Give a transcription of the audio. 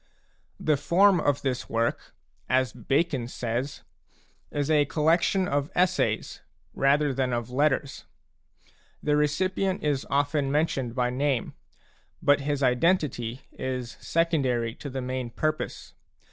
The form of this work, as Bacon says, is a col lection of essays rather than of letters. The recipient is often mentioned by name ; but his identity is secondary to the main purpose.